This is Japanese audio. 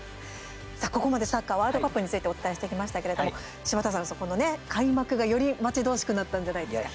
さあ、ここまでサッカーワールドカップについてお伝えしてきましたけれども柴田さん、この開幕がより待ち遠しくなったんじゃないですか。